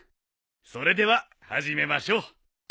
それでは始めましょう。